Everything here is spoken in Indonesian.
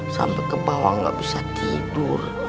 sampai ke bawah nggak bisa tidur